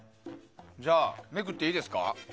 じゃあ、めくっていいですか。